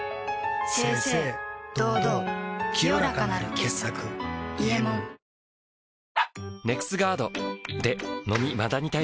清々堂々清らかなる傑作「伊右衛門」あれ？